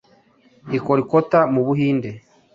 i Kolkata mu Buhinde